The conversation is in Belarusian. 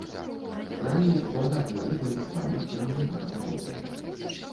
Праліў багаты рыбай, малюскамі і ракападобнымі.